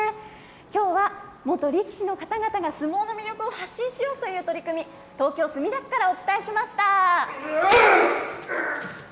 きょうは、元力士の方々が相撲の魅力を発信しようという取り組み、東京・墨田区からお伝えしました。